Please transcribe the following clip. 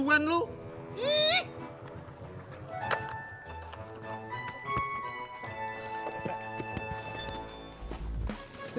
gitu aja pengaduan lo